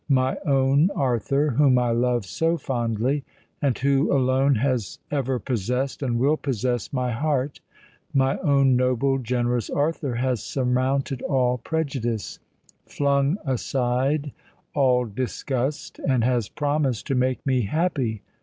My own Arthur—whom I love so fondly, and who alone has ever possessed and will possess my heart,—my own noble, generous Arthur has surmounted all prejudice—flung aside all disgust—and has promised to make me happy!